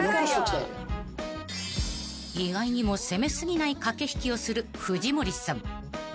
［意外にも攻め過ぎない駆け引きをする藤森さん］